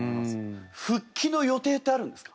復帰の予定ってあるんですか？